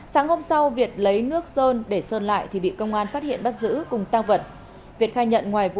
sáng hôm sau việt lấy nước sơn để sơn lại thì bị công an